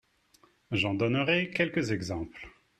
J’en donnerai quelques exemples.